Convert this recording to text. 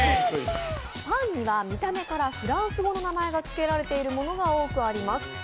パンには見た目からフランス語の名前をつけられているものが多くあります。